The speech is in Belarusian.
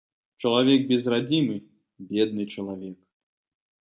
Чалавек без радзімы ‒ бедны чалавек